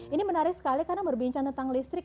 ini menarik sekali karena berbincang tentang listrik